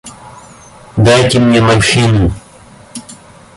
Дайте мне морфину.